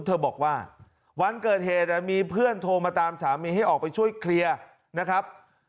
เธอบอกว่าวันเกิดเหตุมีเพื่อนโทรมาตามสามีให้ออกไปช่วยเคลียร์นะครับ